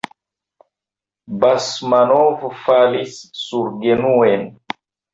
Basmanov falis surgenuen.